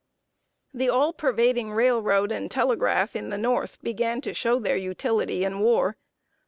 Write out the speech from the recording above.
The all pervading railroad and telegraph in the North began to show their utility in war.